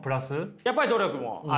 やっぱり努力もある。